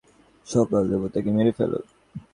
সকল দেবতাকে মেরে ফেলো।